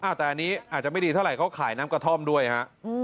แต่อันนี้อาจจะไม่ดีเท่าไหร่เขาขายน้ำกระท่อมด้วยฮะ